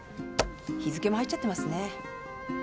日付も入っちゃってますね。